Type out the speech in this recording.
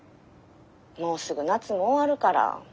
もうすぐ夏も終わるから。